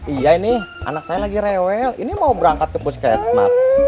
iya ini anak saya lagi rewel ini mau berangkat ke puskesmas